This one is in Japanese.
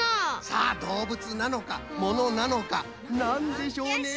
さあどうぶつなのかものなのかなんでしょうね。